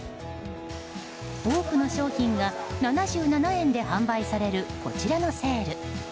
多くの商品が７７円で販売されるこちらのセール。